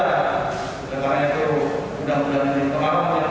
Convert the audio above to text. karena itu mudah mudahan dikemangkan